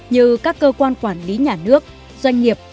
như các cơ quan quản lý nhà nước doanh nghiệp